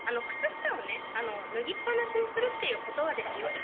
「靴下をね脱ぎっぱなしにするっていうことはですよ」